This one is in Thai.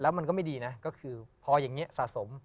มันก็ไม่ดีนะก็คือพออย่างนี้สะสม